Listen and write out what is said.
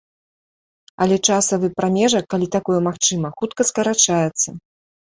Але часавы прамежак, калі такое магчыма, хутка скарачаецца.